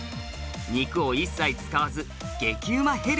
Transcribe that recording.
肉を一切使わず激うまヘルシー！